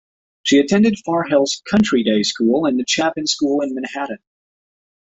She attended Far Hills Country Day School and the Chapin School in Manhattan.